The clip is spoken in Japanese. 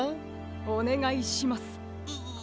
おねがいします。